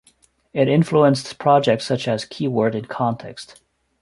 It influenced projects such as Key Word in Context.